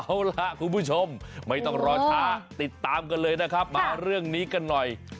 เอาล่ะคุณผู้ชมไม่ต้องรอช้าติดตามกันเลยนะครับมาเรื่องนี้กันหน่อย